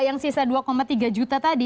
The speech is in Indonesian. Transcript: yang sisa dua tiga juta tadi